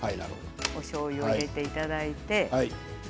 しょうゆを入れていただいて。